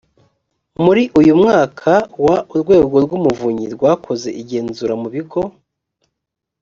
muri uyu mwaka wa urwego rw umuvunyi rwakoze igenzura mu bigo